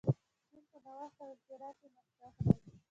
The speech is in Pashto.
چین په نوښت او اختراع کې مخکښ دی.